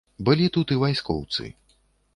Былі тут і вайскоўцы.